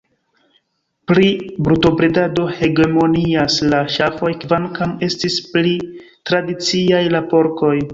Pri brutobredado hegemonias la ŝafoj, kvankam estis pli tradiciaj la porkoj.